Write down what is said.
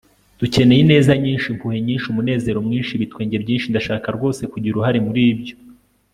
dukeneye ineza nyinshi, impuhwe nyinshi, umunezero mwinshi, ibitwenge byinshi. ndashaka rwose kugira uruhare muri ibyo.